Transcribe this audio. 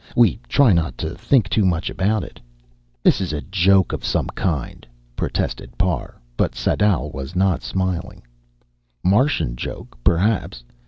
We try not to think too much about it." "This is a joke of some kind," protested Parr, but Sadau was not smiling. "Martian joke, perhaps.